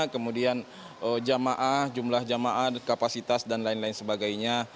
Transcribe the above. kemudian jamaah jumlah jamaah kapasitas dan lain lain sebagainya